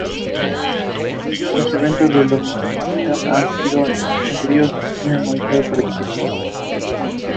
The station is named after the nearby Ibn Battuta Mall.